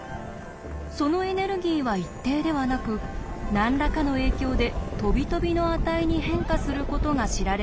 そのエネルギーは一定ではなく何らかの影響でとびとびの値に変化することが知られていました。